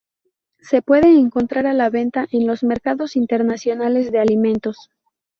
Se puede encontrar a la venta en los mercados internacionales de alimentos.